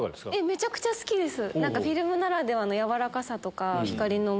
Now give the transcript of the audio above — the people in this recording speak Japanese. めちゃくちゃ好きです。